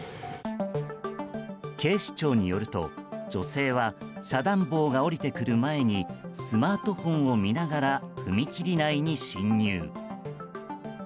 警視庁によると女性は遮断棒が下りてくる前にスマートフォンを見ながら踏切内に進入。